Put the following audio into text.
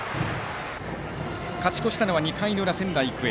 勝ち越したのは２回の裏仙台育英。